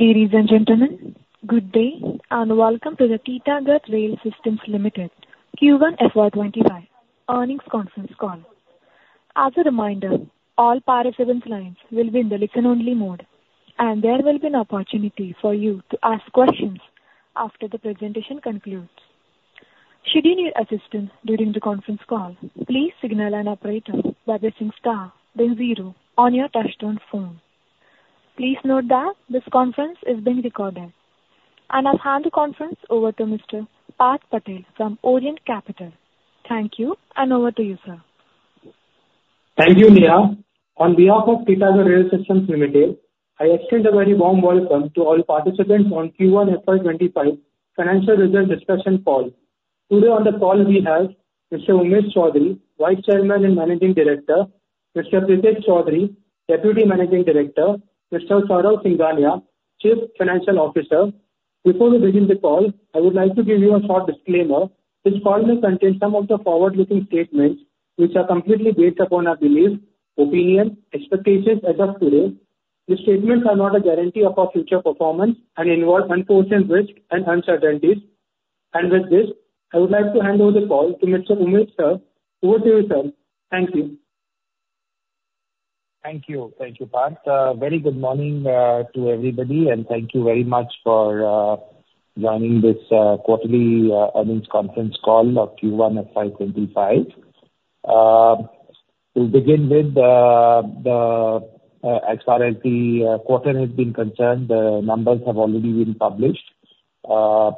Ladies and gentlemen, good day and welcome to the Titagarh Rail Systems Limited Q1 FY25 earnings conference call. As a reminder, all participants' lines will be in the listen-only mode, and there will be an opportunity for you to ask questions after the presentation concludes. Should you need assistance during the conference call, please signal an operator by pressing star then zero on your touch-tone phone. Please note that this conference is being recorded, and I'll hand the conference over to Mr. Parth Patel from Orient Capital. Thank you, and over to you, sir. Thank you, Nia. On behalf of Titagarh Rail Systems Limited, I extend a very warm welcome to all participants on Q1 FY25 financial results discussion call. Today on the call, we have Mr. Umesh Chowdhary, Vice Chairman and Managing Director, Mr. Prithish Chowdhary, Deputy Managing Director, Mr. Saurav Singhania, Chief Financial Officer. Before we begin the call, I would like to give you a short disclaimer. This call may contain some of the forward-looking statements, which are completely based upon our beliefs, opinions, and expectations as of today. These statements are not a guarantee of our future performance and involve unforeseen risks and uncertainties. With this, I would like to hand over the call to Mr. Umesh sir. Over to you, sir. Thank you. Thank you. Thank you, Parth. Very good morning to everybody, and thank you very much for joining this quarterly earnings conference call of Q1 FY 2025. To begin with, as far as the quarter has been concerned, the numbers have already been published. I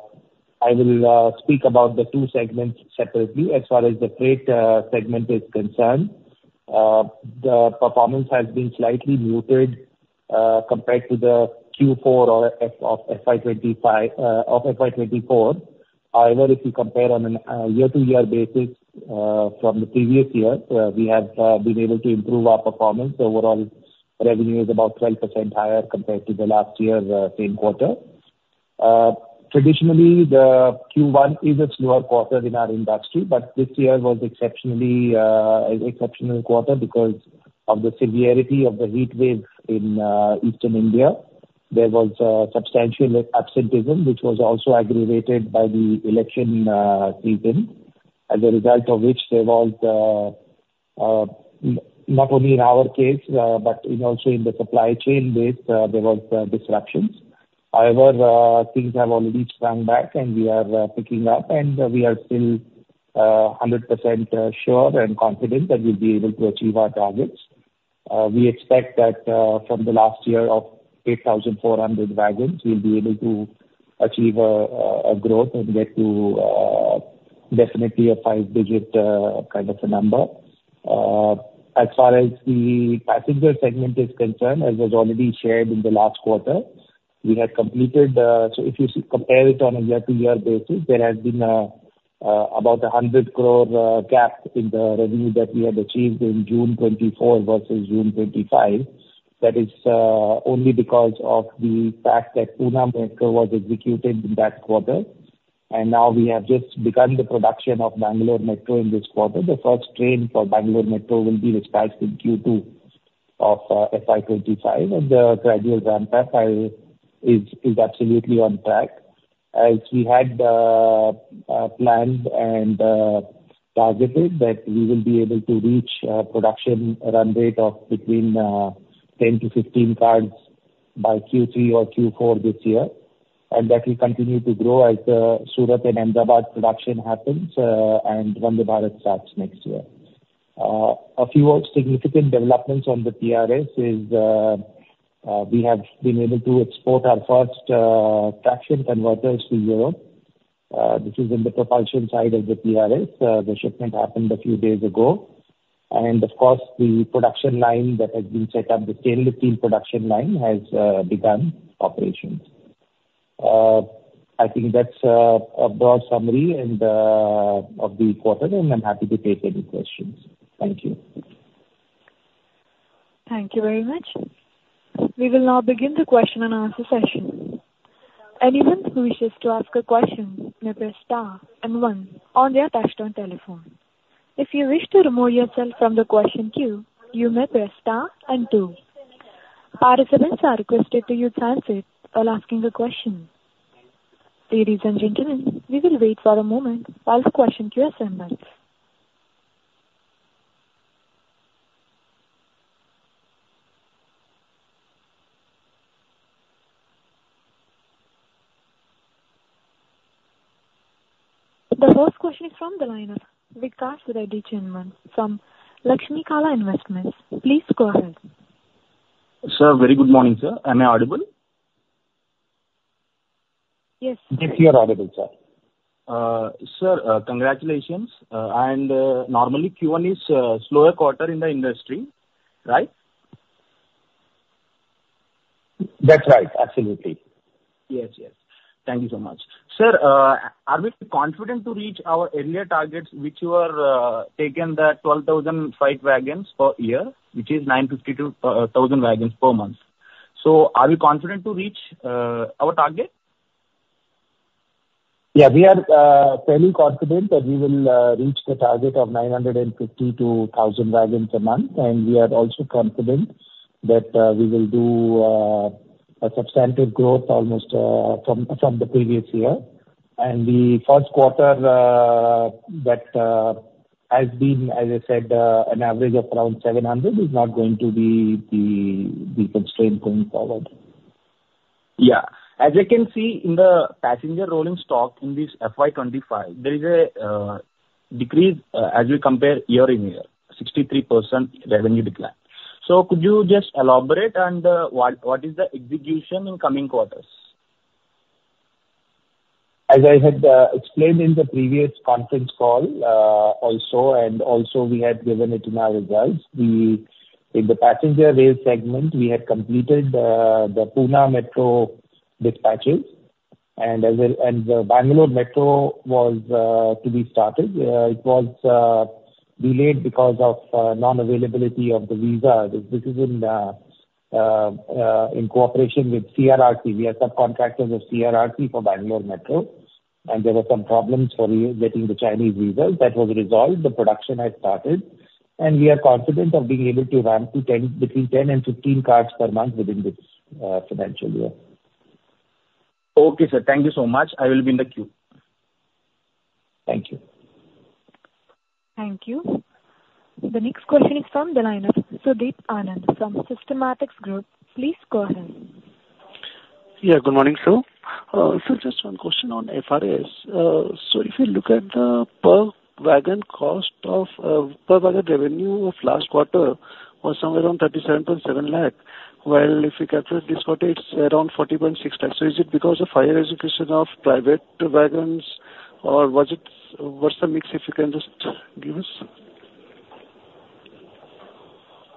will speak about the two segments separately. As far as the freight segment is concerned, the performance has been slightly muted compared to the Q4 of FY 2024. However, if you compare on a year-to-year basis from the previous year, we have been able to improve our performance. Overall, revenue is about 12% higher compared to the last year, same quarter. Traditionally, the Q1 is a slower quarter in our industry, but this year was an exceptional quarter because of the severity of the heat wave in Eastern India. There was substantial absenteeism, which was also aggravated by the election season, as a result of which there was, not only in our case but also in the supply chain base, there were disruptions. However, things have already sprung back, and we are picking up, and we are still 100% sure and confident that we'll be able to achieve our targets. We expect that from the last year of 8,400 wagons, we'll be able to achieve a growth and get to definitely a five-digit kind of a number. As far as the passenger segment is concerned, as was already shared in the last quarter, we have completed. So if you compare it on a year-to-year basis, there has been about an 100 crore gap in the revenue that we had achieved in June 2024 versus June 2025. That is only because of the fact that Pune Metro was executed in that quarter, and now we have just begun the production of Bangalore Metro in this quarter. The first train for Bangalore Metro will be dispatched in Q2 of FY 2025, and the gradual ramp-up is absolutely on track. As we had planned and targeted that we will be able to reach a production run rate of between 10-15 cars by Q3 or Q4 this year, and that will continue to grow as the Surat and Ahmedabad production happens and Vande Bharat starts next year. A few significant developments on the PRS is we have been able to export our first traction converters to Europe. This is in the propulsion side of the PRS. The shipment happened a few days ago, and of course, the production line that has been set up, the stainless steel production line, has begun operations. I think that's a broad summary of the quarter, and I'm happy to take any questions. Thank you. Thank you very much. We will now begin the question and answer session. Anyone who wishes to ask a question may press star and 1 on their touch-tone telephone. If you wish to remove yourself from the question queue, you may press star and 2. Participants are requested to use handsets while asking a question. Ladies and gentlemen, we will wait for a moment while the question queue assembles. The first question is from the line of Vikas Reddy Chinnam from Laxmi Kala Investments. Please go ahead. Sir, very good morning, sir. Am I audible? Yes. Yes, you're audible, sir. Sir, congratulations. Normally, Q1 is a slower quarter in the industry, right? That's right. Absolutely. Yes, yes. Thank you so much. Sir, are we confident to reach our earlier targets, which were taken that 12,000 freight wagons per year, which is 950-1,000 wagons per month? So are we confident to reach our target? Yeah, we are fairly confident that we will reach the target of 950-1,000 wagons a month, and we are also confident that we will do a substantive growth almost from the previous year. And the Q1 that has been, as I said, an average of around 700 is not going to be the constraint going forward. Yeah. As you can see in the passenger rolling stock in this FY 2025, there is a decrease as we compare year-on-year, 63% revenue decline. So could you just elaborate on what is the execution in coming quarters? As I had explained in the previous conference call also, and also we had given it in our results, in the passenger rail segment, we had completed the Pune Metro dispatches, and the Bangalore Metro was to be started. It was delayed because of non-availability of the visa. This is in cooperation with CRRC. We are subcontractors of CRRC for Bangalore Metro, and there were some problems for getting the Chinese visas. That was resolved. The production has started, and we are confident of being able to run between 10 and 15 cars per month within this financial year. Okay, sir. Thank you so much. I will be in the queue. Thank you. Thank you. The next question is from the line of Sudeep Anand from Systematix Group. Please go ahead. Yeah, good morning, sir. So just one question on PRS. So if you look at the per wagon cost of per wagon revenue of last quarter, it was somewhere around 37.7 lakhs. Well, if you calculate this quarter, it's around 40.6 lakhs. So is it because of higher execution of private wagons, or what's the mix if you can just give us?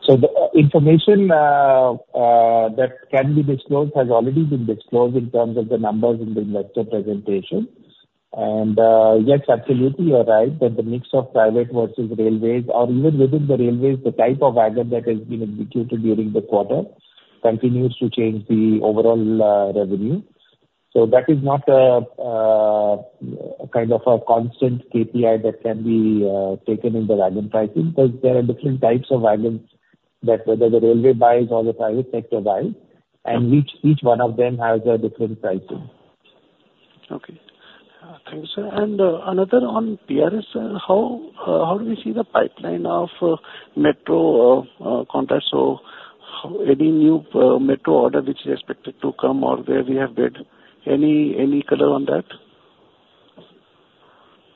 So the information that can be disclosed has already been disclosed in terms of the numbers in the investor presentation. Yes, absolutely, you're right that the mix of private versus railways, or even within the railways, the type of wagon that has been executed during the quarter continues to change the overall revenue. That is not kind of a constant KPI that can be taken in the wagon pricing because there are different types of wagons that, whether the railway buys or the private sector buys, and each one of them has a different pricing. Okay. Thank you, sir. And another on PRS, sir, how do we see the pipeline of Metro contracts? So any new Metro order which is expected to come or where we have bid? Any color on that?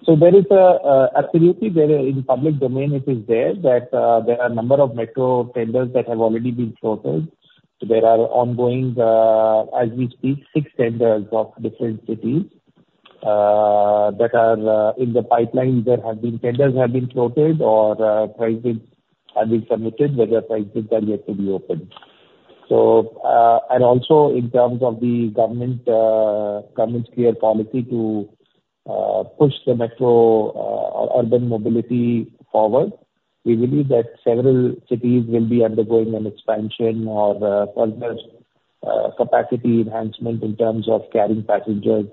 So there is absolutely there in public domain. It is there that there are a number of Metro tenders that have already been floated. There are ongoing, as we speak, 6 tenders of different cities that are in the pipeline that have been floated or prices have been submitted, whether prices are yet to be opened. Also in terms of the government's clear policy to push the Metro urban mobility forward, we believe that several cities will be undergoing an expansion or further capacity enhancement in terms of carrying passengers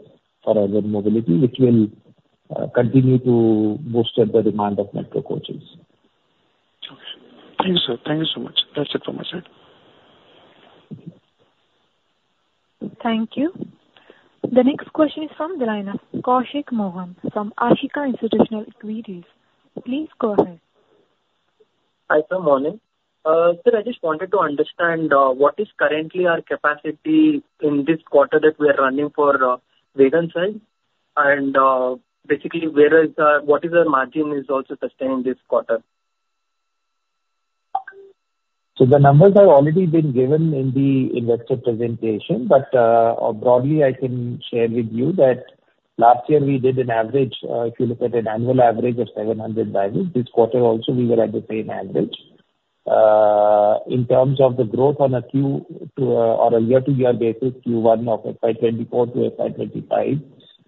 for urban mobility, which will continue to boost the demand of Metro coaches. Okay. Thank you, sir. Thank you so much. That's it from my side. Thank you. The next question is from the line of Kaushik Mohan from Ashika Institutional Equities. Please go ahead. Hi, good morning. Sir, I just wanted to understand what is currently our capacity in this quarter that we are running for wagon size? And basically, what is our margin is also sustained this quarter? So the numbers have already been given in the investor presentation, but broadly, I can share with you that last year we did an average, if you look at an annual average of 700 wagons. This quarter also, we were at the same average. In terms of the growth on a Q2 or a year-to-year basis, Q1 of FY 2024 to FY 2025,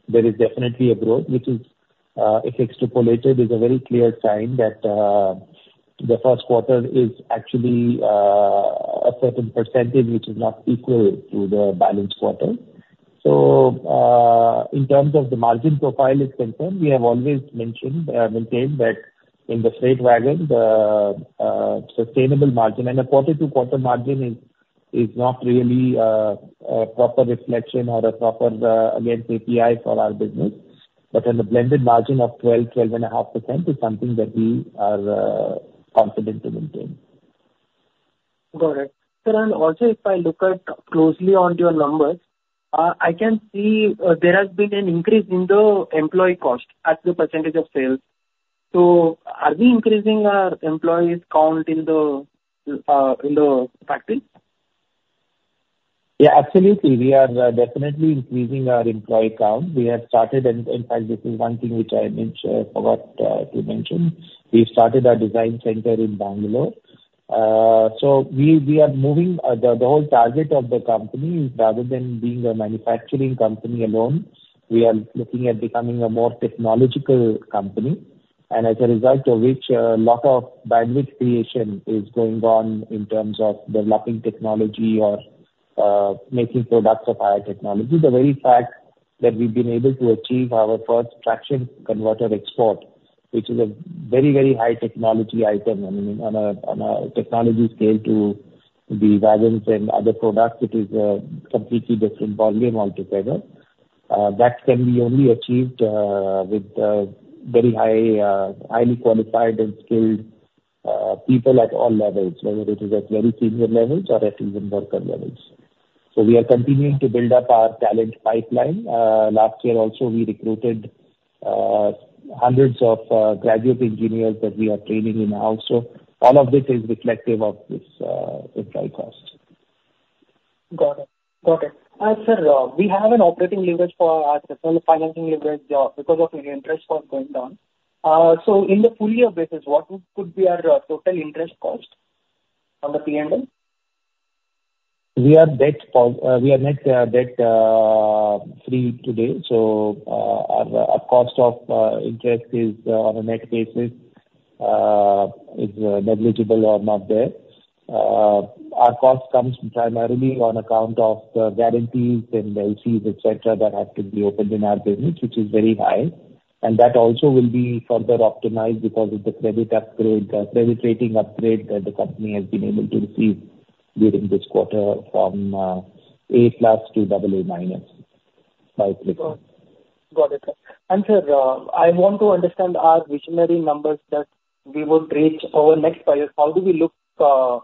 there is definitely a growth, which is, if extrapolated, is a very clear sign that the Q1 is actually a certain percentage, which is not equal to the balance quarter. So in terms of the margin profile is concerned, we have always maintained that in the freight wagon, the sustainable margin and a quarter-to-quarter margin is not really a proper reflection or a proper against KPI for our business, but on the blended margin of 12-12.5% is something that we are confident to maintain. Got it. Sir, and also, if I look closely at your numbers, I can see there has been an increase in the employee cost as a percentage of sales. So are we increasing our employees' count in the factory? Yeah, absolutely. We are definitely increasing our employee count. We have started, and in fact, this is one thing which I forgot to mention. We've started our design center in Bangalore. So we are moving the whole target of the company is rather than being a manufacturing company alone, we are looking at becoming a more technological company, and as a result of which, a lot of bandwidth creation is going on in terms of developing technology or making products of higher technology. The very fact that we've been able to achieve our first traction converter export, which is a very, very high technology item, I mean, on a technology scale to the wagons and other products, it is a completely different volume altogether. That can be only achieved with very highly qualified and skilled people at all levels, whether it is at very senior levels or at even worker levels. So we are continuing to build up our talent pipeline. Last year also, we recruited hundreds of graduate engineers that we are training in-house. So all of this is reflective of this implied cost. Got it. Got it. Sir, we have an operating leverage for our financial leverage because of interest cost going down. So in the full year basis, what could be our total interest cost on the P&L? We are net free today, so our cost of interest is on a net basis is negligible or not there. Our cost comes primarily on account of the guarantees and LCs, etc., that have to be opened in our business, which is very high. That also will be further optimized because of the credit upgrade, credit rating upgrade that the company has been able to receive during this quarter from A plus to AA minus by CRISIL. Got it. Sir, I want to understand our visionary numbers that we will reach over next five years. How do we look for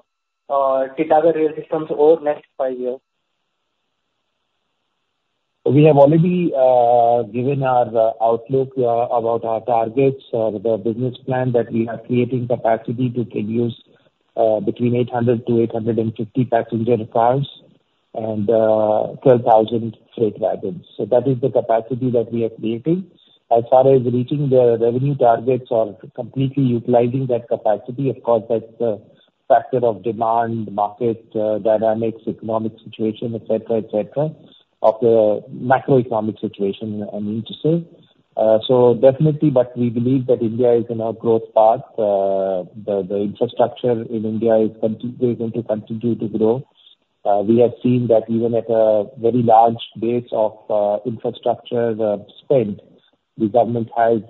Titagarh Rail Systems over next five years? We have already given our outlook about our targets or the business plan that we are creating capacity to produce between 800-850 passenger cars and 12,000 freight wagons. So that is the capacity that we are creating. As far as reaching the revenue targets or completely utilizing that capacity, of course, that's the factor of demand, market dynamics, economic situation, etc., etc., of the macroeconomic situation, I mean to say. So definitely, but we believe that India is in our growth path. The infrastructure in India is going to continue to grow. We have seen that even at a very large base of infrastructure spent, the government has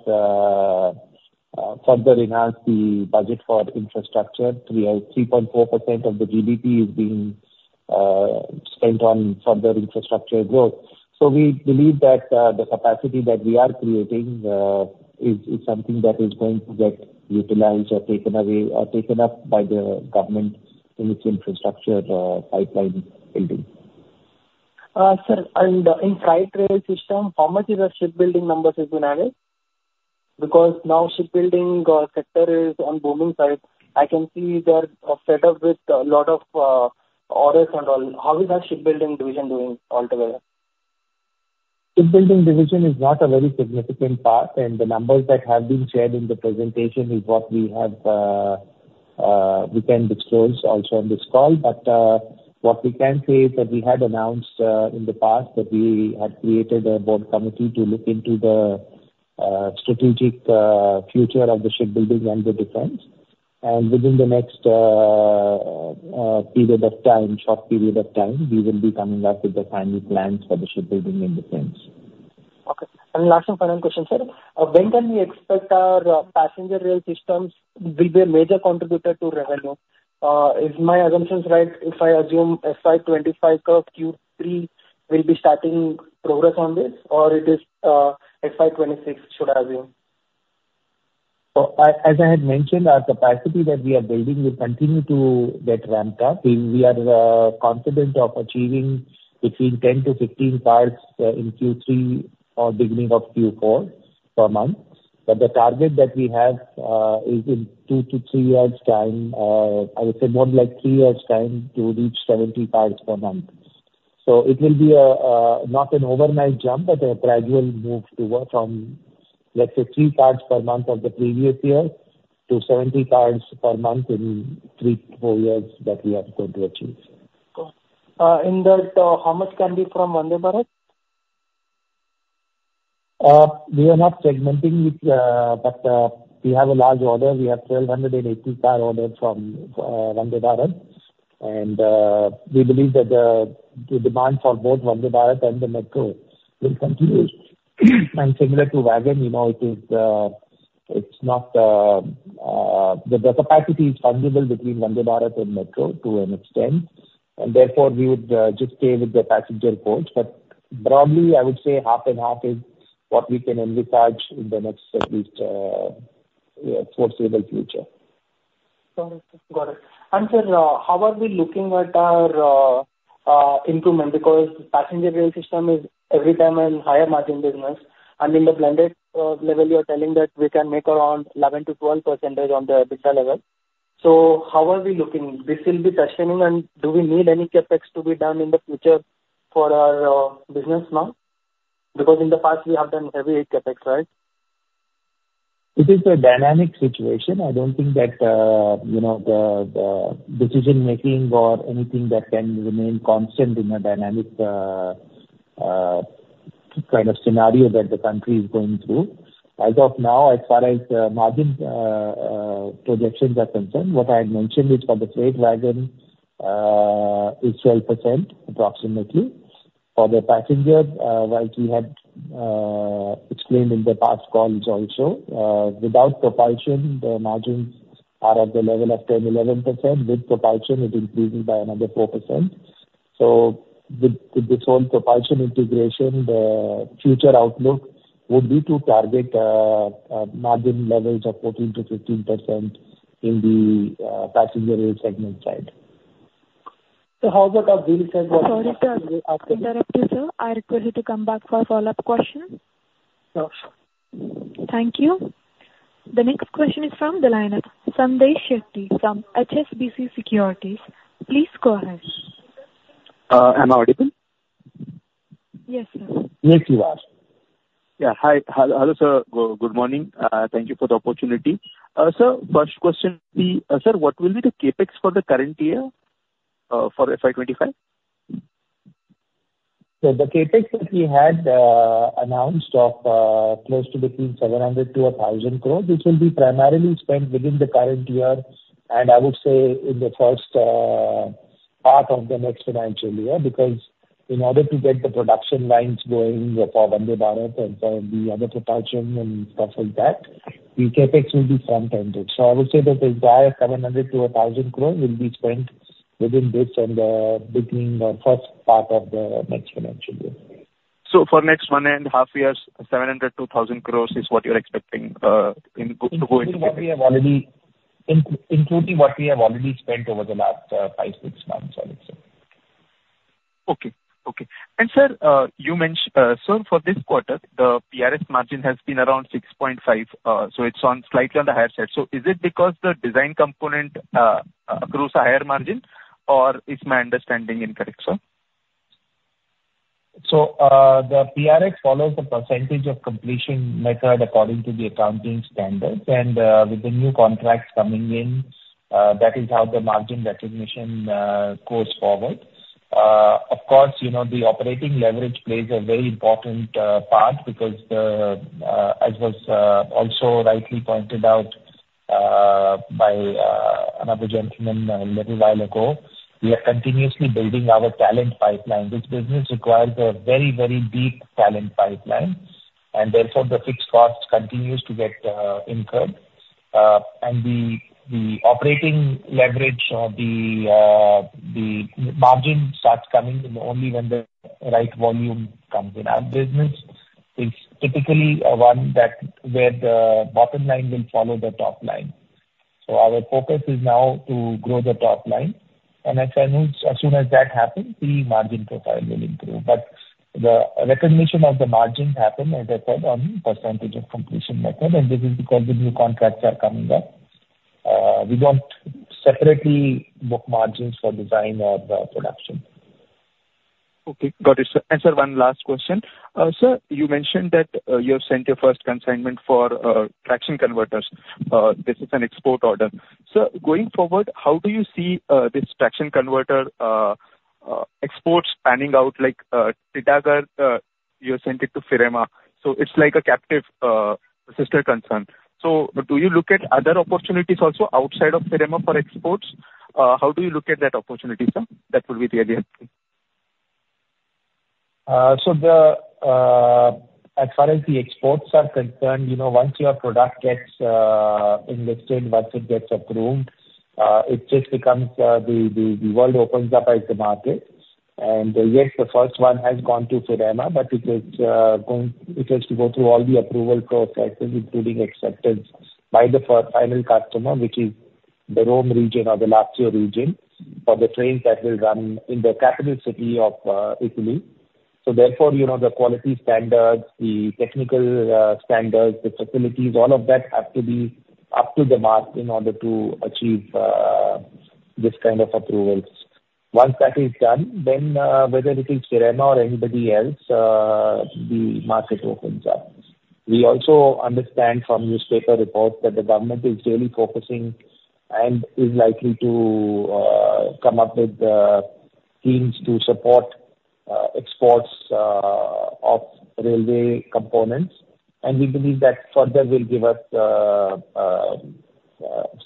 further enhanced the budget for infrastructure. We have 3.4% of the GDP is being spent on further infrastructure growth. We believe that the capacity that we are creating is something that is going to get utilized or taken up by the government in its infrastructure pipeline building. Sir, and in freight rail system, how much is our shipbuilding numbers has been added? Because now shipbuilding sector is on booming side. I can see they're fed up with a lot of orders and all. How is our shipbuilding division doing altogether? Shipbuilding division is not a very significant part, and the numbers that have been shared in the presentation is what we can disclose also on this call. But what we can say is that we had announced in the past that we had created a board committee to look into the strategic future of the shipbuilding and the defense. And within the next period of time, short period of time, we will be coming up with the final plans for the shipbuilding and defense. Okay. Last and final question, sir. When can we expect our passenger rail systems will be a major contributor to revenue? Is my assumptions right if I assume FY 2025 curve Q3 will be starting progress on this, or it is FY 2026 should I assume? As I had mentioned, our capacity that we are building will continue to get ramped up. We are confident of achieving between 10-15 cars in Q3 or beginning of Q4 per month. But the target that we have is in 2-3 years' time, I would say more like 3 years' time to reach 70 cars per month. So it will be not an overnight jump, but a gradual move from, let's say, 3 cars per month of the previous year to 70 cars per month in 3-4 years that we are going to achieve. Got it. In that, how much can be from Vande Bharat? We are not segmenting, but we have a large order. We have 1,280 car orders from Vande Bharat, and we believe that the demand for both Vande Bharat and the Metro will continue. And similar to wagon, it's not the capacity is fungible between Vande Bharat and Metro to an extent, and therefore we would just stay with the passenger coach. But broadly, I would say half and half is what we can envisage in the next at least foreseeable future. Got it. Got it. Sir, how are we looking at our improvement? Because passenger rail system is every time a higher margin business, and in the blended level, you're telling that we can make around 11%-12% on the EBITDA level. So how are we looking? This will be sustaining, and do we need any CapEx to be done in the future for our business now? Because in the past, we have done heavy CapEx, right? This is a dynamic situation. I don't think that the decision-making or anything that can remain constant in a dynamic kind of scenario that the country is going through. As of now, as far as margin projections are concerned, what I had mentioned is for the freight wagon, it's 12% approximately. For the passenger, as we had explained in the past calls also, without propulsion, the margins are at the level of 10%-11%. With propulsion, it increases by another 4%. So with this whole propulsion integration, the future outlook would be to target margin levels of 14%-15% in the passenger rail segment side. How about our bill says what? Sorry, sir. Interrupt you, sir. I request you to come back for a follow-up question. Sure. Thank you. The next question is from the line of Sanjay Shetty from HSBC Securities. Please go ahead. Am I audible? Yes, sir. Yes, you are. Yeah. Hi, hello, sir. Good morning. Thank you for the opportunity. Sir, first question would be, sir, what will be the CAPEX for the current year for FY 2025? So the CAPEX that we had announced of close to between 700-1,000 crores, which will be primarily spent within the current year, and I would say in the first part of the next financial year because in order to get the production lines going for Vande Bharat and for the other propulsion and stuff like that, the CAPEX will be front-ended. So I would say that the entire 700-1,000 crores will be spent within this and the beginning or first part of the next financial year. For next one and a half years, 700-1,000 crore is what you're expecting to go into? Including what we have already spent over the last 5-6 months, I would say. Okay. Okay. And sir, you mentioned, sir, for this quarter, the PRS margin has been around 6.5%, so it's slightly on the higher side. So is it because the design component accrues a higher margin, or is my understanding incorrect, sir? So the PRS follows the percentage of completion method according to the accounting standards, and with the new contracts coming in, that is how the margin recognition goes forward. Of course, the operating leverage plays a very important part because, as was also rightly pointed out by another gentleman a little while ago, we are continuously building our talent pipeline. This business requires a very, very deep talent pipeline, and therefore the fixed cost continues to get incurred. And the operating leverage, the margin starts coming only when the right volume comes in. Our business is typically one where the bottom line will follow the top line. So our focus is now to grow the top line. And as soon as that happens, the margin profile will improve. But the recognition of the margins happen, as I said, on percentage of completion method, and this is because the new contracts are coming up. We don't separately book margins for design or production. Okay. Got it. And sir, one last question. Sir, you mentioned that you have sent your first consignment for traction converters. This is an export order. Sir, going forward, how do you see this traction converter exports panning out like like that one, you sent it to Firema? So it's like a captive sister concern. So do you look at other opportunities also outside of Firema for exports? How do you look at that opportunity, sir? That would be really helpful. So as far as the exports are concerned, once your product gets enlisted, once it gets approved, it just becomes the world opens up as the market. Yes, the first one has gone to Firema, but it has to go through all the approval processes, including acceptance by the final customer, which is the Rome region or the Lazio region for the trains that will run in the capital city of Italy. So therefore, the quality standards, the technical standards, the facilities, all of that have to be up to the mark in order to achieve this kind of approvals. Once that is done, then whether it is Firema or anybody else, the market opens up. We also understand from newspaper reports that the government is really focusing and is likely to come up with schemes to support exports of railway components. We believe that further will give us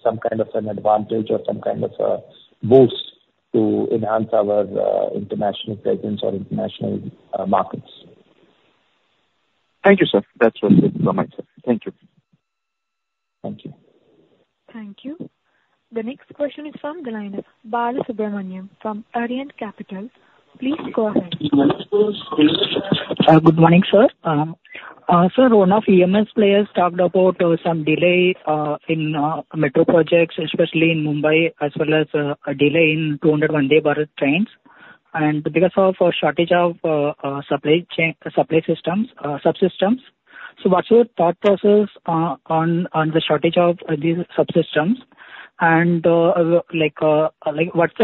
some kind of an advantage or some kind of a boost to enhance our international presence or international markets. Thank you, sir. That's all from my side. Thank you. Thank you. Thank you. The next question is from the line of Bharat Subramaniam from Arihant Capital. Please go ahead. Good morning, sir. Sir, one of EMS players talked about some delay in metro projects, especially in Mumbai, as well as a delay in Vande Bharat trains. And because of a shortage of supply systems, subsystems, so what's your thought process on the shortage of these subsystems? And what's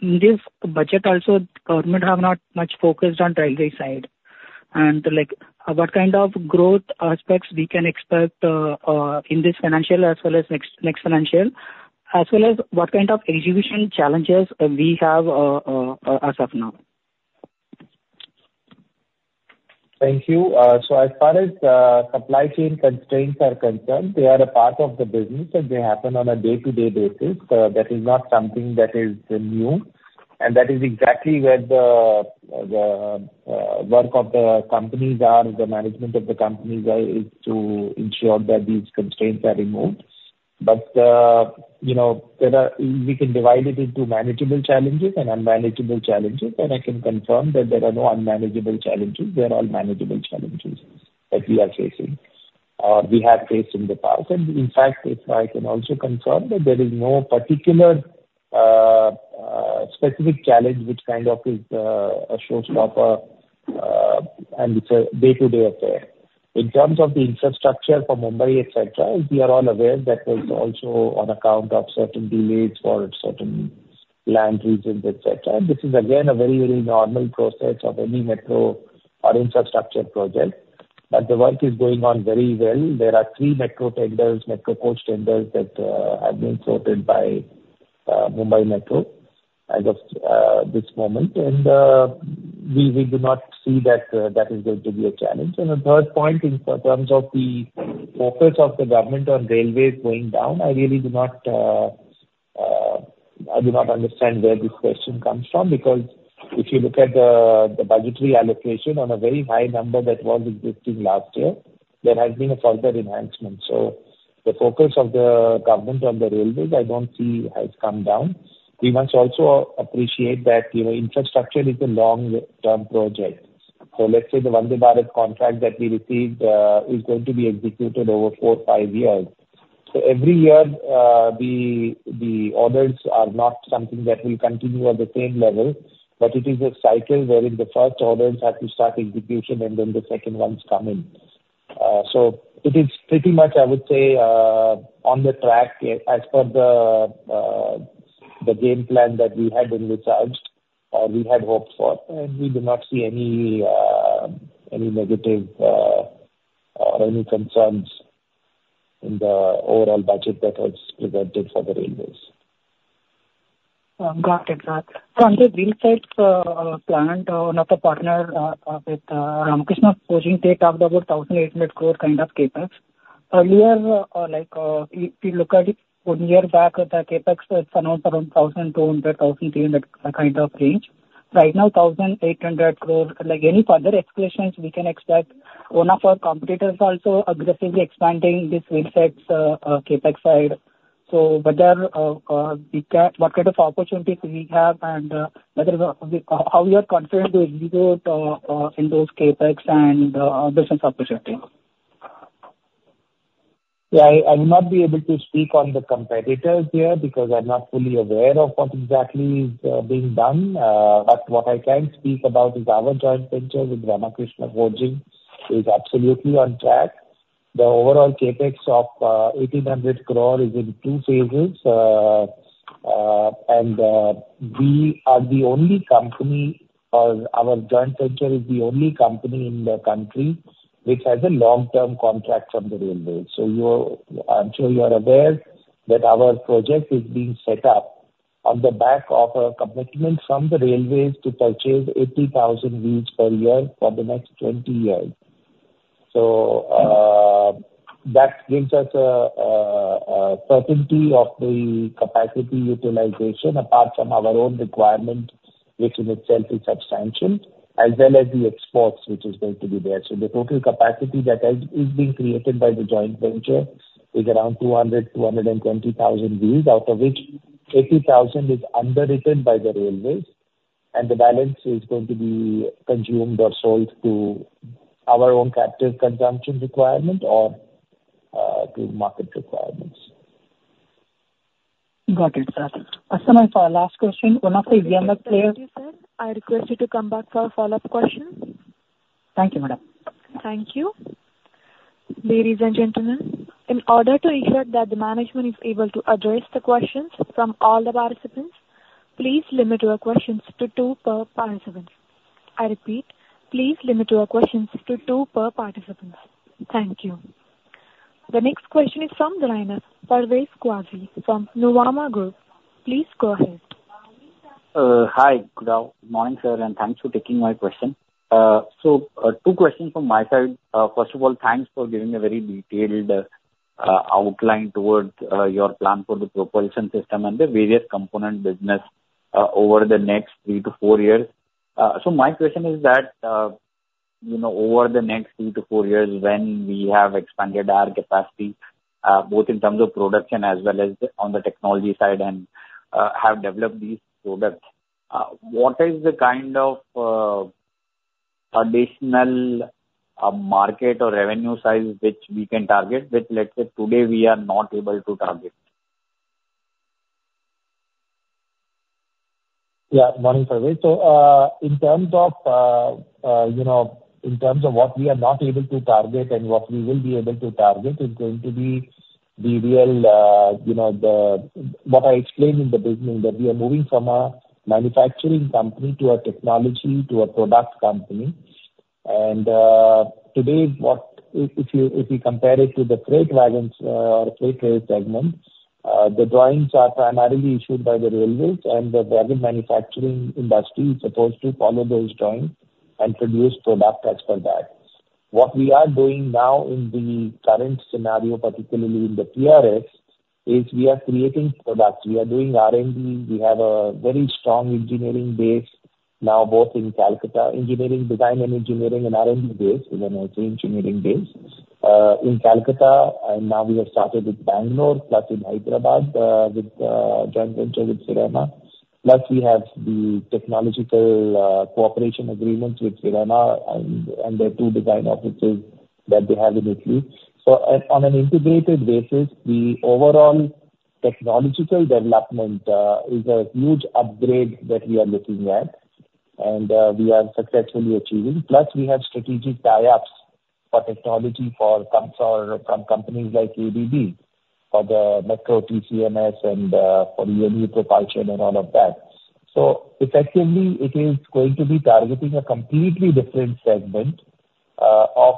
this budget also government have not much focused on railway side? And what kind of growth aspects we can expect in this financial as well as next financial, as well as what kind of execution challenges we have as of now? Thank you. So as far as supply chain constraints are concerned, they are a part of the business, and they happen on a day-to-day basis. That is not something that is new. And that is exactly where the work of the companies are, the management of the companies is to ensure that these constraints are removed. But we can divide it into manageable challenges and unmanageable challenges. And I can confirm that there are no unmanageable challenges. They are all manageable challenges that we are facing or we have faced in the past. And in fact, if I can also confirm that there is no particular specific challenge which kind of is a showstopper and it's a day-to-day affair. In terms of the infrastructure for Mumbai, etc., we are all aware that there's also on account of certain delays for certain land regions, etc. This is again a very, very normal process of any Metro or infrastructure project. But the work is going on very well. There are 3 Metro tenders, Metro coach tenders that have been sorted by Mumbai Metro as of this moment. We do not see that that is going to be a challenge. The third point in terms of the focus of the government on railways going down, I really do not understand where this question comes from because if you look at the budgetary allocation on a very high number that was existing last year, there has been a further enhancement. The focus of the government on the railways, I don't see has come down. We must also appreciate that infrastructure is a long-term project. Let's say the Vande Bharat contract that we received is going to be executed over 4-5 years. So every year, the orders are not something that will continue at the same level, but it is a cycle wherein the first orders have to start execution and then the second ones come in. So it is pretty much, I would say, on the track as per the game plan that we had envisaged or we had hoped for. And we do not see any negative or any concerns in the overall budget that was presented for the railways. Got it. So on the wheelsets planned, one of the partners with Ramkrishna Forgings, they talked about 1,800 crore kind of CAPEX. Earlier, if you look at one year back, the CAPEX was around 1,200-1,300 kind of range. Right now, 1,800 crore. Any further explanations we can expect? One of our competitors also aggressively expanding this wheelsets CAPEX side. So what kind of opportunities do we have and how you are confident to execute in those CAPEX and business opportunities? Yeah, I will not be able to speak on the competitors here because I'm not fully aware of what exactly is being done. But what I can speak about is our joint venture with Ramkrishna Forgings is absolutely on track. The overall CAPEX of 1,800 crore is in two phases. We are the only company or our joint venture is the only company in the country which has a long-term contract from the railways. So I'm sure you are aware that our project is being set up on the back of a commitment from the railways to purchase 80,000 wheels per year for the next 20 years. So that gives us a certainty of the capacity utilization apart from our own requirement, which in itself is substantial, as well as the exports which is going to be there. The total capacity that is being created by the joint venture is around 200,000-220,000 wheels, out of which 80,000 is underwritten by the railways. The balance is going to be consumed or sold to our own captive consumption requirement or to market requirements. Got it, sir. As another, our last question. One of the EMS players. Thank you, sir. I request you to come back for a follow-up question. Thank you, madam. Thank you. Ladies and gentlemen, in order to ensure that the management is able to address the questions from all the participants, please limit your questions to two per participant. I repeat, please limit your questions to two per participant. Thank you. The next question is from the line of Parvez Qazi from Nuvama Group. Please go ahead. Hi, good morning, sir. Thanks for taking my question. Two questions from my side. First of all, thanks for giving a very detailed outline toward your plan for the propulsion system and the various component business over the next three to four years. My question is that over the next three to four years, when we have expanded our capacity both in terms of production as well as on the technology side and have developed these products, what is the kind of additional market or revenue size which we can target which, let's say, today we are not able to target? Yeah, good morning, Parvez. So in terms of what we are not able to target and what we will be able to target is going to be the real what I explained in the beginning, that we are moving from a manufacturing company to a technology to a product company. And today, if you compare it to the freight wagons or freight rail segment, the drawings are primarily issued by the railways and the wagon manufacturing industry is supposed to follow those drawings and produce product as per that. What we are doing now in the current scenario, particularly in the PRS, is we are creating products. We are doing R&D. We have a very strong engineering base now, both in Kolkata, engineering design and engineering and R&D base, even I say engineering base in Kolkata. And now we have started with Bangalore, plus in Hyderabad with joint venture with Firema. Plus, we have the technological cooperation agreements with Firema and their two design offices that they have in Italy. So on an integrated basis, the overall technological development is a huge upgrade that we are looking at and we are successfully achieving. Plus, we have strategic tie-ups for technology from companies like ABB for the Metro TCMS and for EMU propulsion and all of that. So effectively, it is going to be targeting a completely different segment of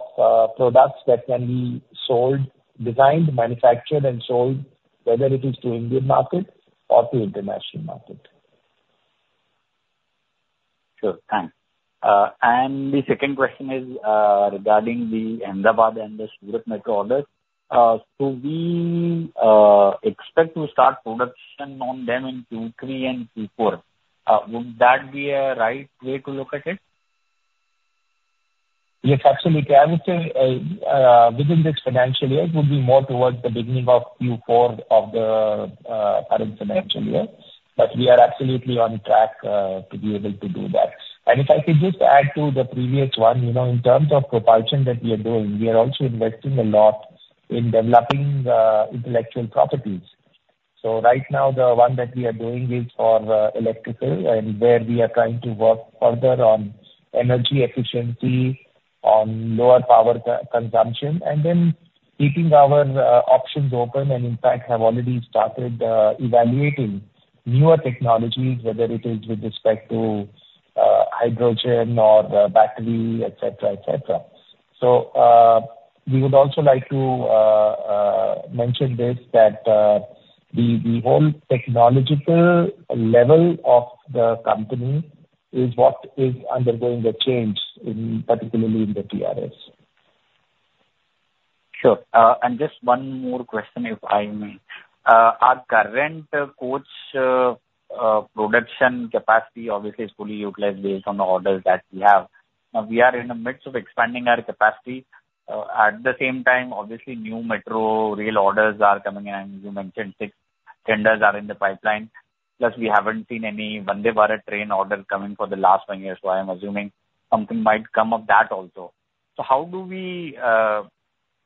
products that can be sold, designed, manufactured, and sold, whether it is to Indian market or to international market. Sure, thanks. And the second question is regarding the Ahmedabad and the Surat Metro orders. So we expect to start production on them in Q3 and Q4. Would that be a right way to look at it? Yes, absolutely. I would say within this financial year, it would be more towards the beginning of Q4 of the current financial year. But we are absolutely on track to be able to do that. And if I could just add to the previous one, in terms of propulsion that we are doing, we are also investing a lot in developing intellectual properties. So right now, the one that we are doing is for electricals and where we are trying to work further on energy efficiency, on lower power consumption, and then keeping our options open and in fact have already started evaluating newer technologies, whether it is with respect to hydrogen or battery, etc., etc. So we would also like to mention this that the whole technological level of the company is what is undergoing the change, particularly in the PRS. Sure. And just one more question, if I may. Our current coach production capacity, obviously, is fully utilized based on the orders that we have. Now, we are in the midst of expanding our capacity. At the same time, obviously, new Metro rail orders are coming in. You mentioned 6 tenders are in the pipeline. Plus, we haven't seen any Vande Bharat train order coming for the last 1 year. So I'm assuming something might come of that also. So how do we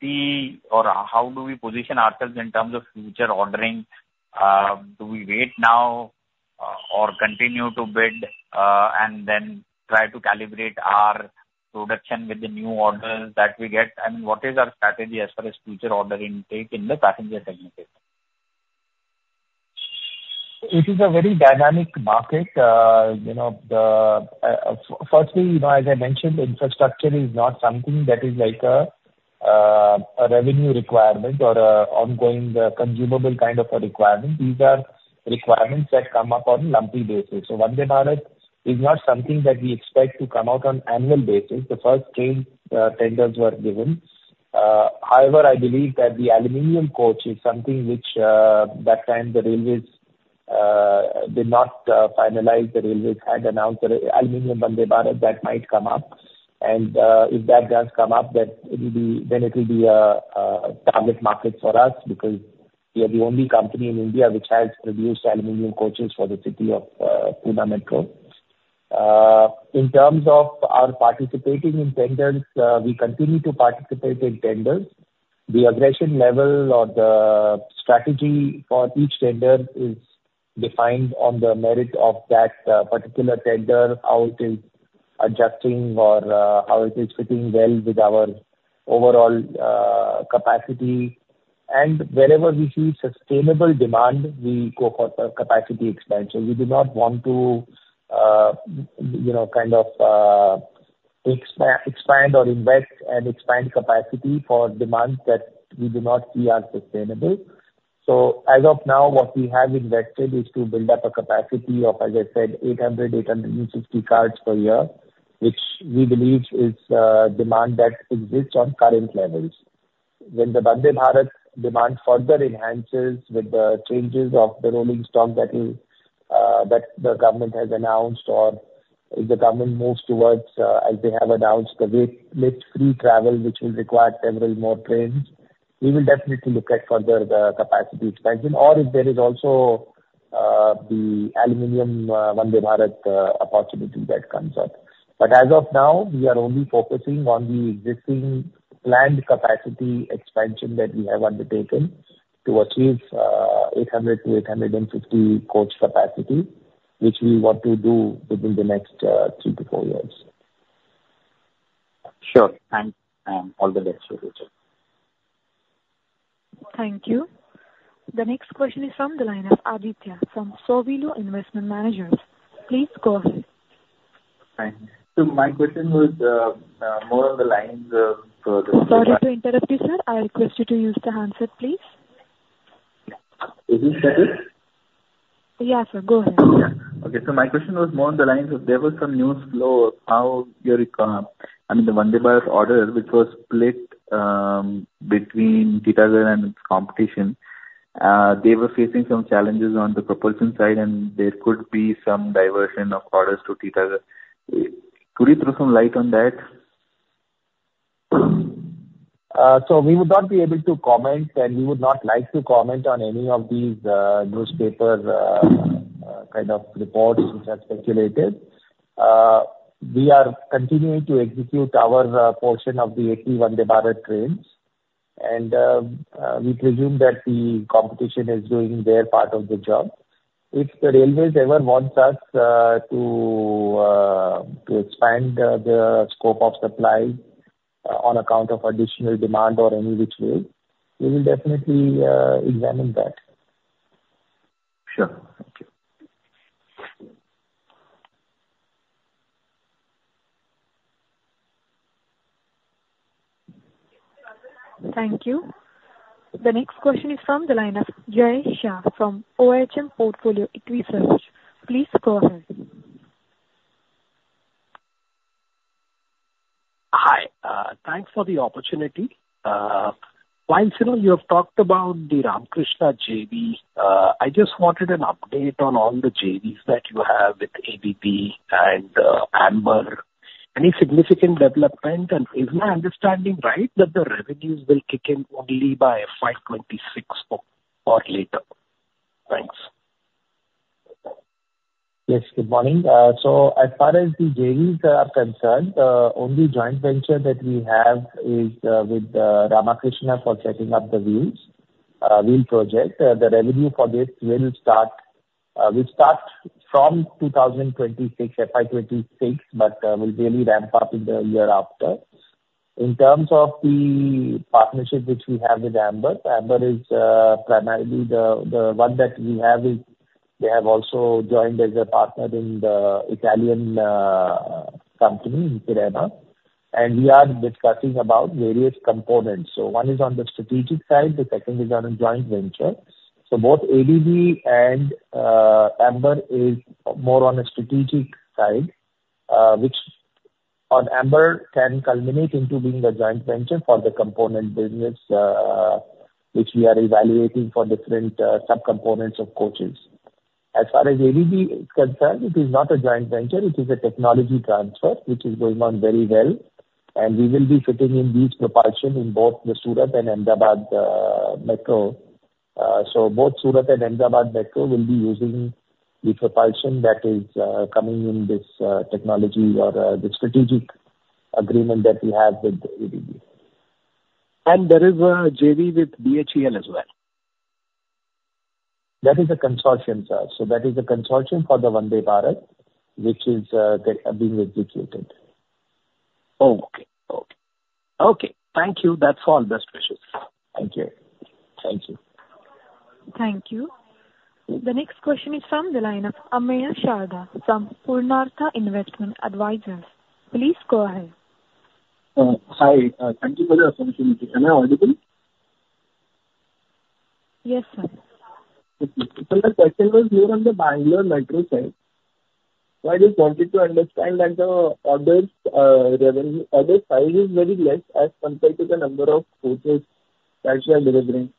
see or how do we position ourselves in terms of future ordering? Do we wait now or continue to bid and then try to calibrate our production with the new orders that we get? And what is our strategy as far as future order intake in the passenger segment? It is a very dynamic market. Firstly, as I mentioned, infrastructure is not something that is like a revenue requirement or an ongoing consumable kind of a requirement. These are requirements that come up on a lumpy basis. So Vande Bharat is not something that we expect to come out on an annual basis. The first train tenders were given. However, I believe that the aluminum coach is something which that time the railways did not finalize. The railways had announced the aluminum Vande Bharat that might come up. And if that does come up, then it will be a target market for us because we are the only company in India which has produced aluminum coaches for the city of Pune Metro. In terms of our participating in tenders, we continue to participate in tenders. The aggression level or the strategy for each tender is defined on the merit of that particular tender, how it is adjusting or how it is fitting well with our overall capacity. Wherever we see sustainable demand, we go for capacity expansion. We do not want to kind of expand or invest and expand capacity for demands that we do not see are sustainable. As of now, what we have invested is to build up a capacity of, as I said, 800-850 coaches per year, which we believe is demand that exists on current levels. When the Vande Bharat demand further enhances with the changes of the rolling stock that the government has announced or if the government moves towards, as they have announced, the waitlist-free travel, which will require several more trains, we will definitely look at further capacity expansion or if there is also the aluminum Vande Bharat opportunity that comes up. But as of now, we are only focusing on the existing planned capacity expansion that we have undertaken to achieve 800-850 coach capacity, which we want to do within the next 3-4 years. Sure. Thanks. All the best, Parvez. Thank you. The next question is from the line of Aditya from Sowilo Investment Managers. Please go ahead. Hi. So my question was more on the lines of. Sorry to interrupt you, sir. I request you to use the handset, please. Is this better? Yes, sir. Go ahead. Okay. So my question was more on the lines of there was some news flow of how your, I mean, the Vande Bharat order, which was split between Titagarh and its competition, they were facing some challenges on the propulsion side and there could be some diversion of orders to Titagarh. Could you throw some light on that? So we would not be able to comment and we would not like to comment on any of these newspaper kind of reports which are speculative. We are continuing to execute our portion of the 80 Vande Bharat trains. And we presume that the competition is doing their part of the job. If the railways ever wants us to expand the scope of supply on account of additional demand or any which way, we will definitely examine that. Sure. Thank you. Thank you. The next question is from the line of Jay Shah from Ohm Portfolio Equi Research. Please go ahead. Hi. Thanks for the opportunity. While you have talked about the Ramkrishna JV, I just wanted an update on all the JVs that you have with ABB and Amber. Any significant development? And is my understanding right that the revenues will kick in only by FY 2026 or later? Thanks. Yes, good morning. So as far as the JVs are concerned, only joint venture that we have is with Ramkrishna for setting up the wheels project. The revenue for this will start from 2026, FY 2026, but will really ramp up in the year after. In terms of the partnership which we have with Amber, Amber is primarily the one that we have is they have also joined as a partner in the Italian company in Firema. And we are discussing about various components. So one is on the strategic side. The second is on a joint venture. So both ABB and Amber is more on a strategic side, which on Amber can culminate into being a joint venture for the component business which we are evaluating for different subcomponents of coaches. As far as ABB is concerned, it is not a joint venture. It is a technology transfer which is going on very well. And we will be fitting in these propulsion in both the Surat and Ahmedabad Metro. So both Surat and Ahmedabad Metro will be using the propulsion that is coming in this technology or the strategic agreement that we have with ABB. And there is a JV with BHEL as well? That is a consortium, sir. So that is a consortium for the Vande Bharat, which is being executed. Oh, okay. Okay. Okay. Thank you. That's all, Parvez. Thank you. Thank you. Thank you. The next question is from the line of Ameya Sharda from Purnartha Investment Advisers. Please go ahead. Hi. Thank you for the opportunity. Can I audible? Yes, sir. So my question was more on the Bangalore Metro side. So I just wanted to understand that the order size is very less as compared to the number of coaches that you are delivering.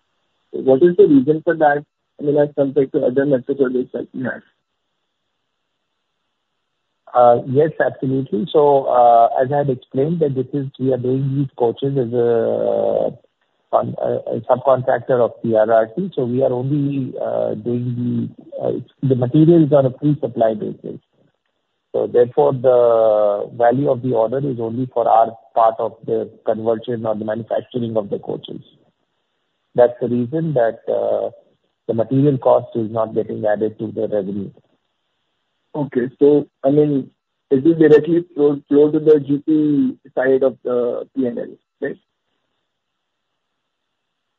What is the reason for that, I mean, as compared to other metro projects that you have? Yes, absolutely. So as I had explained, we are doing these coaches as a subcontractor of CRRC. So we are only doing the material is on a pre-supply basis. So therefore, the value of the order is only for our part of the conversion or the manufacturing of the coaches. That's the reason that the material cost is not getting added to the revenue. Okay. So, I mean, is it directly flow to the GP side of the P&L, right?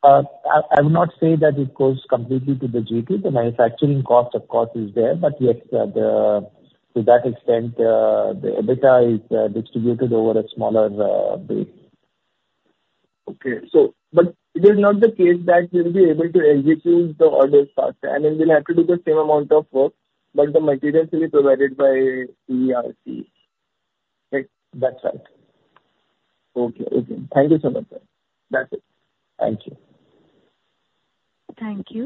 I would not say that it goes completely to the GT. The manufacturing cost, of course, is there. But yes, to that extent, the EBITDA is distributed over a smaller base. Okay. But it is not the case that we'll be able to execute the orders faster. I mean, we'll have to do the same amount of work, but the materials will be provided by CRRC. That's right. Okay. Okay. Thank you so much, sir. That's it. Thank you. Thank you.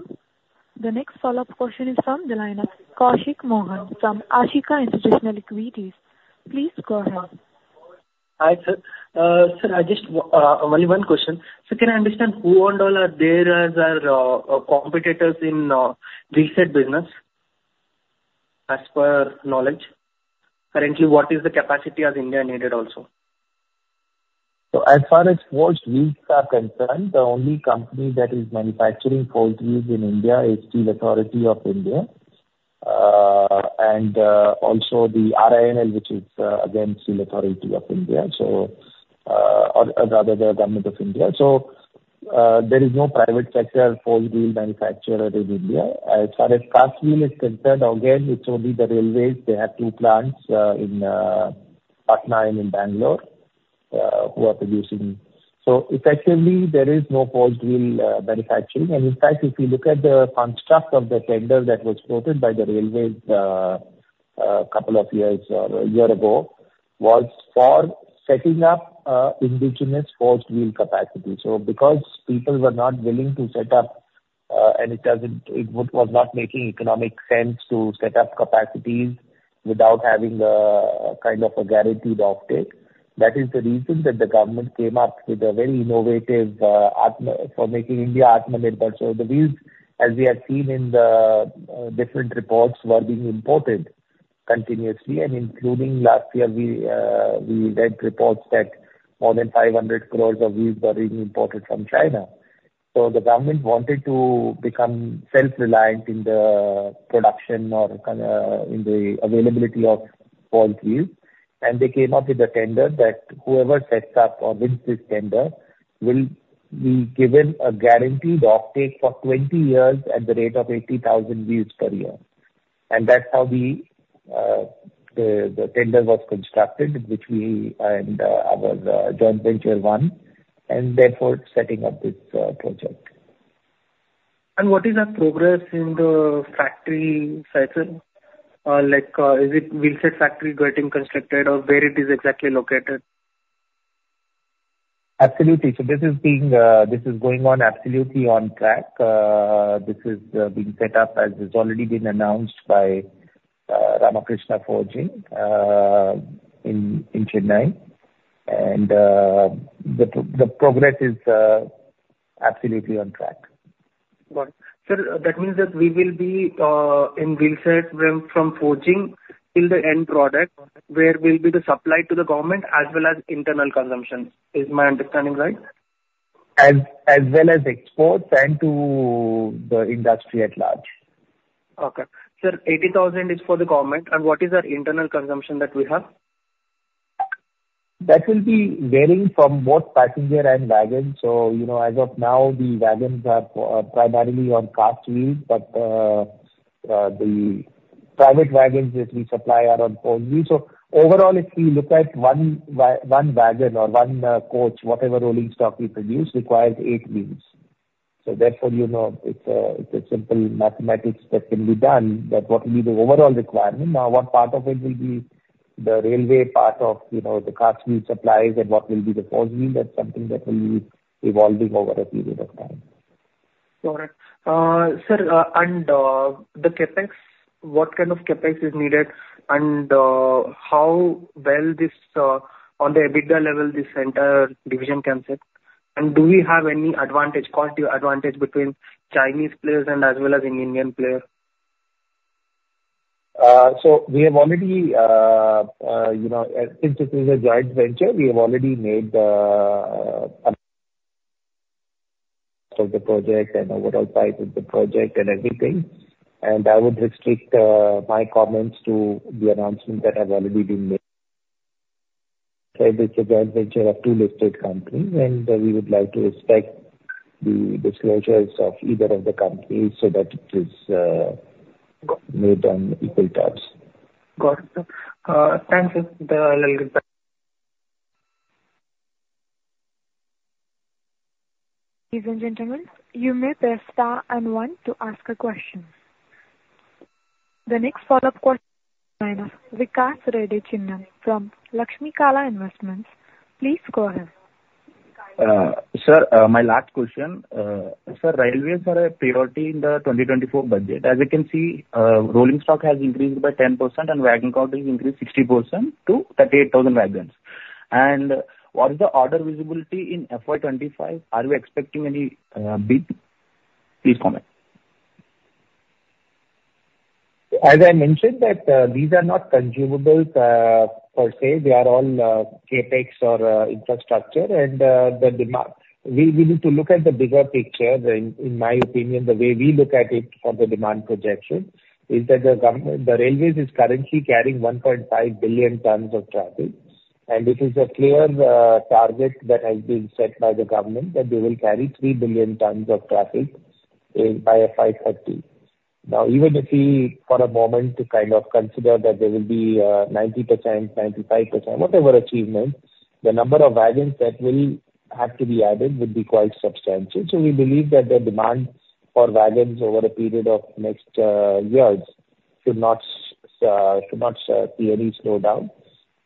The next follow-up question is from the line of Koushik Mohan from Ashika Institutional Equities. Please go ahead. Hi, sir. Sir, I just only one question. So can I understand who all are there as our competitors in wheelset business as per knowledge? Currently, what is the capacity as India needed also? So as far as wheels are concerned, the only company that is manufacturing forged wheels in India is Steel Authority of India. And also the RINL, which is again Steel Authority of India, so rather the government of India. So there is no private sector forged wheel manufacturer in India. As far as cast wheel is concerned, again, it's only the railways. They have 2 plants in Patna and in Bangalore who are producing. So effectively, there is no forged wheel manufacturing. And in fact, if you look at the construct of the tender that was quoted by the railways a couple of years or a year ago was for setting up indigenous forged wheel capacity. So because people were not willing to set up and it was not making economic sense to set up capacities without having kind of a guaranteed offtake, that is the reason that the government came up with a very innovative form for making India autonomous. But so the wheels, as we have seen in the different reports, were being imported continuously. And including last year, we read reports that more than 500 crore of wheels were being imported from China. So the government wanted to become self-reliant in the production or in the availability of forged wheels. And they came up with a tender that whoever sets up or wins this tender will be given a guaranteed offtake for 20 years at the rate of 80,000 wheels per year. And that's how the tender was constructed, which we and our joint venture won. And therefore, setting up this project. And what is the progress in the factory size? Is it wheelset factory getting constructed or where it is exactly located? Absolutely. So this is going on absolutely on track. This is being set up as it's already been announced by Ramkrishna Forgings in Chennai. And the progress is absolutely on track. Got it. So that means that we will be in wheelset from forging till the end product, where will be the supply to the government as well as internal consumption? Is my understanding right? As well as exports and to the industry at large. Okay. So 80,000 is for the government. And what is our internal consumption that we have? That will be varying from both passenger and wagon. So as of now, the wagons are primarily on cast wheels, but the private wagons that we supply are on forged wheels. So overall, if you look at one wagon or one coach, whatever rolling stock we produce requires eight wheels. So therefore, it's a simple mathematics that can be done that what will be the overall requirement. Now, what part of it will be the railway part of the cast wheel supplies and what will be the four wheels, that's something that will be evolving over a period of time. Got it. Sir, and the CapEx, what kind of CapEx is needed and how well this on the EBITDA level, this entire division can sit? And do we have any advantage, quality advantage between Chinese players and as well as an Indian player? So we have already since it is a joint venture, we have already made the project and overall size of the project and everything. And I would restrict my comments to the announcement that have already been made. So it is a joint venture of two listed companies. And we would like to respect the disclosures of either of the companies so that it is made on equal terms. Got it. Thank you. Even gentlemen, you may press star and one to ask a question. The next follow-up question is from Vikas Reddy Chinnam from Laxmi Kala Investments. Please go ahead. Sir, my last question. Sir, railways are a priority in the 2024 budget. As you can see, rolling stock has increased by 10% and wagon count has increased 60% to 38,000 wagons. And what is the order visibility in FY 2025? Are we expecting any bid? Please comment. As I mentioned that these are not consumables per se. They are all CAPEX or infrastructure. And we need to look at the bigger picture. In my opinion, the way we look at it for the demand projection is that the railways is currently carrying 1.5 billion tons of traffic. This is a clear target that has been set by the government that they will carry 3 billion tons of traffic by FY 2030. Now, even if we for a moment kind of consider that there will be 90%-95%, whatever achievement, the number of wagons that will have to be added would be quite substantial. We believe that the demand for wagons over a period of next years should not see any slowdown.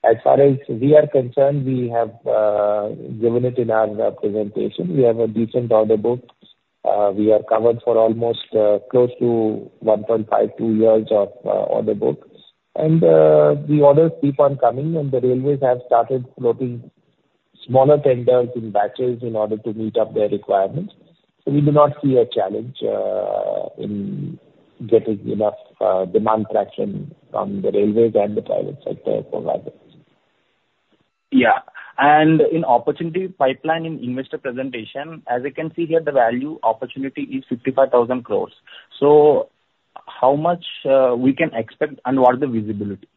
As far as we are concerned, we have given it in our presentation. We have a decent order book. We are covered for almost close to 1.5-2 years of order book. The orders keep on coming. The railways have started floating smaller tenders in batches in order to meet up their requirements. So we do not see a challenge in getting enough demand traction from the railways and the private sector for wagons. Yeah. And in opportunity pipeline in investor presentation, as you can see here, the value opportunity is 55,000 crore. So how much we can expect and what is the visibility?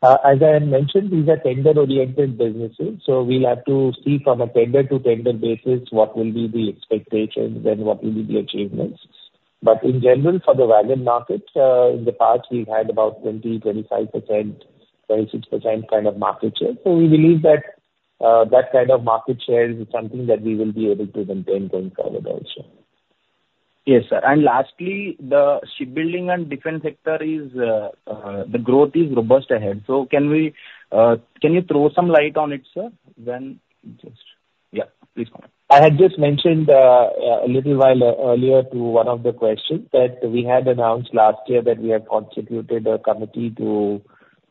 As I mentioned, these are tender-oriented businesses. So we'll have to see from a tender-to-tender basis what will be the expectations and what will be the achievements. But in general, for the wagon market, in the past, we've had about 20%, 25%, 26% kind of market share. So we believe that that kind of market share is something that we will be able to maintain going forward also. Yes, sir. Lastly, the shipbuilding and defense sector is the growth is robust ahead. So can you throw some light on it, sir? Yeah. Please comment. I had just mentioned a little while earlier to one of the questions that we had announced last year that we have constituted a committee to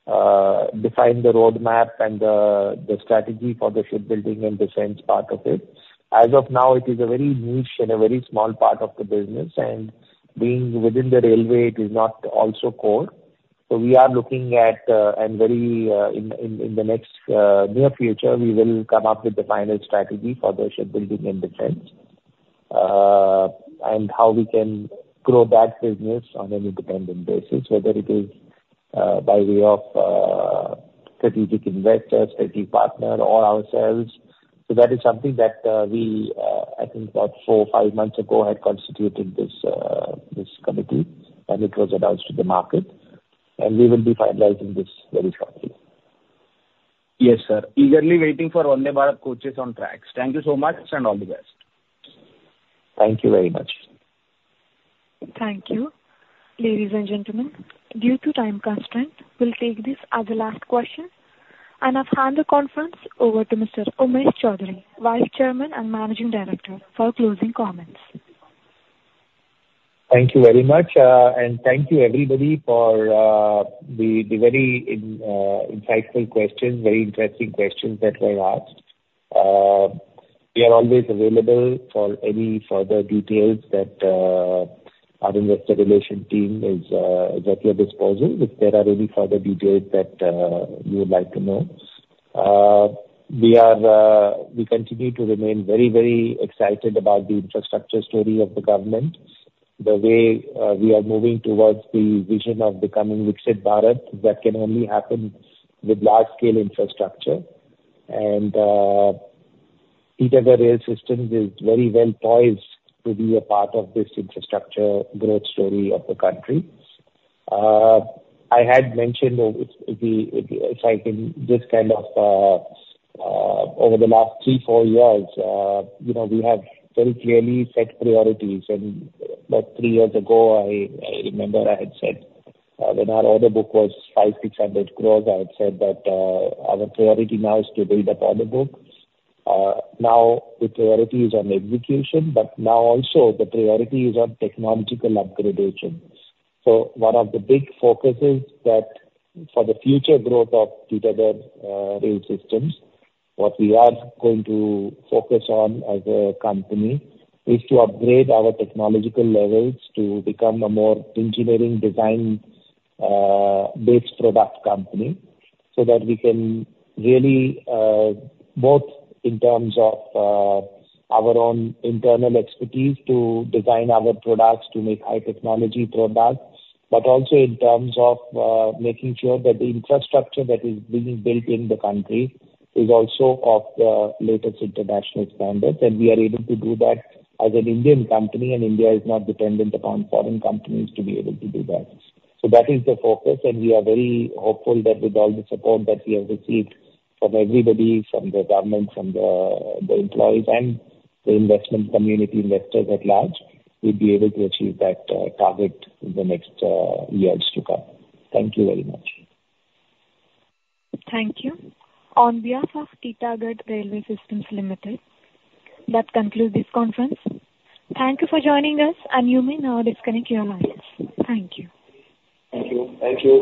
define the roadmap and the strategy for the shipbuilding and defense part of it. As of now, it is a very niche and a very small part of the business. And being within the railway, it is not also core. So we are looking at and very in the near future, we will come up with the final strategy for the shipbuilding and defense and how we can grow that business on an independent basis, whether it is by way of strategic investors, strategic partner, or ourselves. So that is something that we, I think, about 4-5 months ago, had constituted this committee. And it was announced to the market. And we will be finalizing this very shortly. Yes, sir. Eagerly waiting for Vande Bharat coaches on tracks. Thank you so much and all the best. Thank you very much. Thank you. Ladies and gentlemen, due to time constraint, we'll take this as a last question. And I've handed the conference over to Mr. Umesh Chowdhary, Vice Chairman and Managing Director, for closing comments. Thank you very much. And thank you, everybody, for the very insightful questions, very interesting questions that were asked. We are always available for any further details that our investor relations team is at your disposal if there are any further details that you would like to know. We continue to remain very, very excited about the infrastructure story of the government, the way we are moving towards the vision of becoming Viksit Bharat. That can only happen with large-scale infrastructure. Titagarh Rail Systems is very well poised to be a part of this infrastructure growth story of the country. I had mentioned, if I can just kind of over the last three, four years, we have very clearly set priorities. About three years ago, I remember I had said when our order book was 5,600 crore, I had said that our priority now is to build up order book. Now, the priority is on execution, but now also the priority is on technological upgradation. So one of the big focuses for the future growth of Titagarh Rail Systems, what we are going to focus on as a company is to upgrade our technological levels to become a more engineering design-based product company so that we can really, both in terms of our own internal expertise to design our products to make high-technology products, but also in terms of making sure that the infrastructure that is being built in the country is also of the latest international standards. And we are able to do that as an Indian company. And India is not dependent upon foreign companies to be able to do that. So that is the focus. We are very hopeful that with all the support that we have received from everybody, from the government, from the employees, and the investment community investors at large, we'll be able to achieve that target in the next years to come. Thank you very much. Thank you. On behalf of Titagarh Rail Systems Limited, that concludes this conference. Thank you for joining us. You may now disconnect your lines. Thank you. Thank you. Thank you.